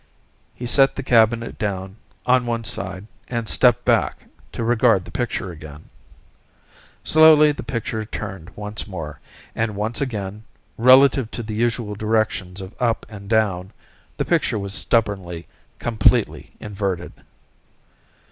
He set the cabinet down, on one side, and stepped back, to regard the picture again. Slowly, the picture turned once more, and once again, relative to the usual directions of up and down, the picture was stubbornly, completely inverted.